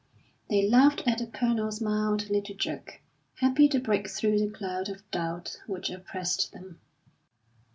They laughed at the Colonel's mild little joke, happy to break through the cloud of doubt which oppressed them.